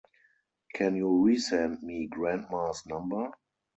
Can you resend me grandma's number?